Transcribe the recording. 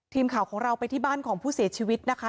ทีมข่าวของเราไปที่บ้านของผู้เสียชีวิตนะคะ